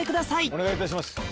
お願いいたします。